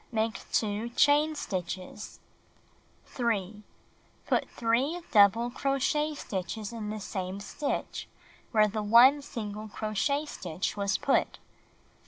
Make 2 chain stitches. f 3. Put 3 double crochet stitches in the same stitch where the 1 single crochet stitch was put.